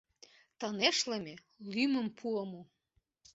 Тынешлыме — лӱмым пуымо.